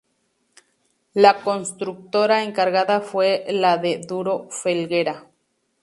La constructora encargada fue la de Duro Felguera.